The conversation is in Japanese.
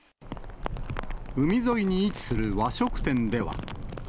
海沿いに位置する和食店では。